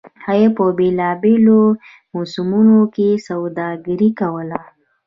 هغوی په بېلابېلو موسمونو کې سوداګري کوله.